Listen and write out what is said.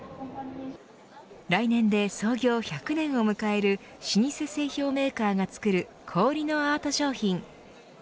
来年で創業１００年を迎える老舗製氷メーカーが作る氷のアート商品。